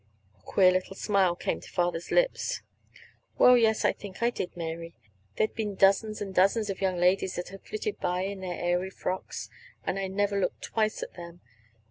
A queer little smile came to Father's lips. "Well, yes, I think I did, Mary. There'd been dozens and dozens of young ladies that had flitted by in their airy frocks and I never looked twice at them.